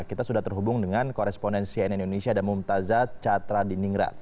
kita sudah terhubung dengan korespondensi nn indonesia damum taza catra diningra